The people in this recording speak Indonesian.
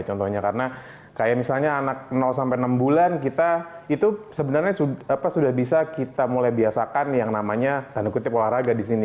contohnya karena kayak misalnya anak enam bulan kita itu sebenarnya sudah bisa kita mulai biasakan yang namanya olahraga disini